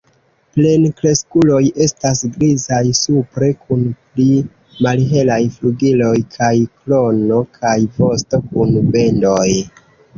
Plenkreskuloj estas grizaj supre kun pli malhelaj flugiloj kaj krono, kaj vosto kun bendoj.